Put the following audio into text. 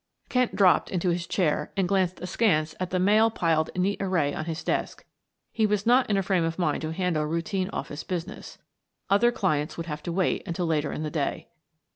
Kent dropped into his chair and glanced askance at the mail piled in neat array on his desk; he was not in a frame of mind to handle routine office business. Other clients would have to wait until later in the day.